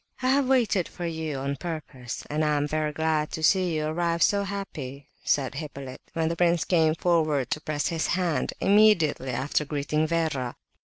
"I have waited for you on purpose, and am very glad to see you arrive so happy," said Hippolyte, when the prince came forward to press his hand, immediately after greeting Vera.